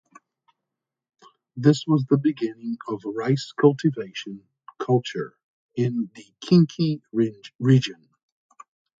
This was the beginning of rice cultivation culture in the Kinki region.